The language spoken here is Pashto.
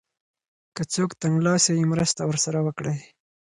که څوک تنګلاسی وي مرسته ورسره وکړئ.